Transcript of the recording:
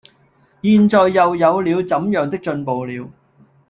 現在又有了怎樣的進步了，